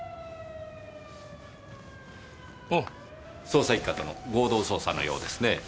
捜査一課との合同捜査のようですねぇ。